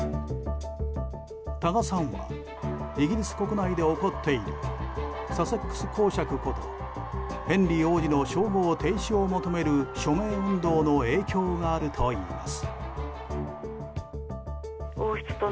多賀さんはイギリス国内で起こっているサセックス公爵ことヘンリー王子の称号停止を求める署名運動の影響があるといいます。